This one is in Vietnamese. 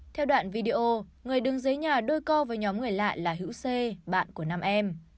theo đoạn video người đứng dưới nhà đôi co với nhóm người lạ là hữu c bạn của nam em